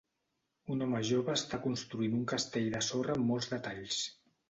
Un home jove està construint un castell de sorra amb molts detalls.